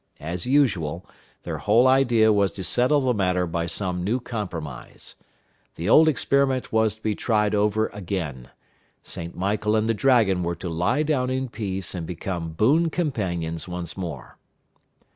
As usual, their whole idea was to settle the matter by some new compromise. The old experiment was to be tried over again: St. Michael and the Dragon were to lie down in peace, and become boon companions once more.